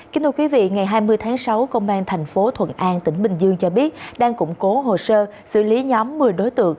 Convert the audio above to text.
kính thưa quý vị ngày hai mươi tháng sáu công an thành phố thuận an tỉnh bình dương cho biết đang củng cố hồ sơ xử lý nhóm một mươi đối tượng